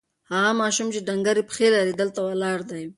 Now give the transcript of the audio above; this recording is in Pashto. هغه ماشوم چې ډنګرې پښې لري، دلته ولاړ دی.